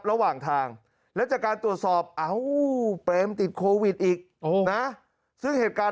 ระหว่างทางแล้วจากการตรวจสอบอ้าวติดอีกนะซึ่งเหตุการ